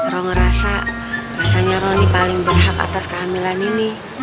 ruh ngerasa rasanya ruh ini paling berhak atas kehamilan ini